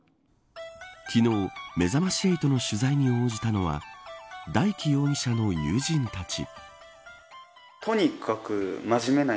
昨日、めざまし８の取材に応じたのは大祈容疑者の友人たち。